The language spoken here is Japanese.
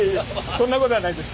そんなことはないです。